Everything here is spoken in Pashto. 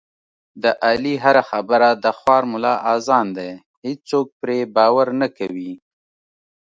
د علي هره خبره د خوار ملا اذان دی، هېڅوک پرې باور نه کوي.